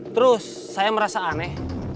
terus saya merasa aneh